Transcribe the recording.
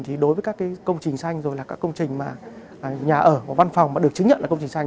thì đối với các công trình xanh rồi là các công trình nhà ở và văn phòng mà được chứng nhận là công trình xanh